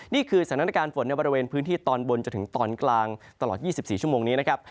นี่คือสถานการณ์ฝนในบริเวณพื้นที่ตอนบนจนถึงตอนกลางตลอด๒๔ชั่วโมงนี้นะครับ